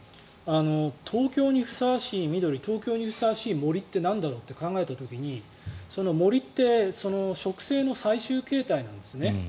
東京にふさわしい緑東京にふさわしい森ってなんだろうって考えた時に森って植生の最終形態なんですね。